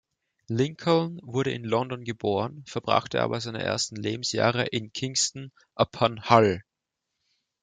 Lincoln wurde in London geboren, verbrachte aber seine ersten Lebensjahre in Kingston upon Hull.